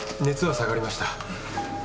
熱は下がりました。